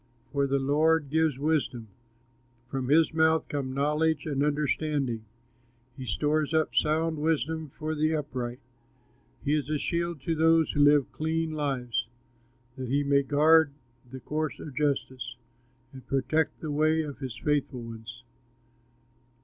For the Lord gives wisdom, From his mouth come knowledge and understanding; He stores up sound wisdom for the upright, He is a shield to those who live clean lives, That he may guard the course of justice, And protect the way of his faithful ones.